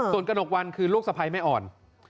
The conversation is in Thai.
ส่วนกระหนกวันคือลูกสะพ้ายแม่อ่อน